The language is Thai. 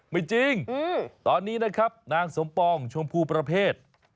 ไม่จริงตอนนี้นะครับนางสมปองชมพูประเภท